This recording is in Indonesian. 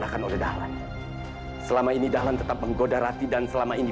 kamu masih menggoda menantu serati